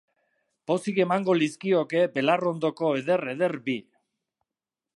Pozik emango lizkioke belarrondoko eder-eder bi. b